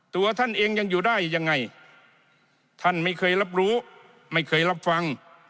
ตัวท่านเองยังอยู่ได้ยังไงท่านไม่เคยรับรู้ไม่เคยรับฟัง